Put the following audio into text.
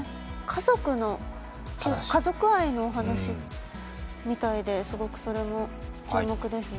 家族愛のお話みたいですごくそれも注目ですね。